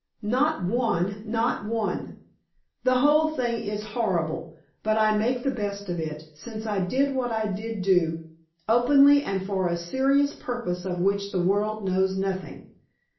Not one, not one. The whole thing is horrible, but I make the best of it, since I did what I did do, openly and for a serious purpose of which the world knows nothing.